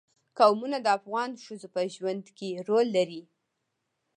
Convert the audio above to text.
قومونه د افغان ښځو په ژوند کې رول لري.